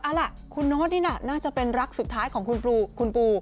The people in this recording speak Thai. เอาล่ะคุณโน๊ตนี่น่ะน่าจะเป็นรักสุดท้ายของคุณปู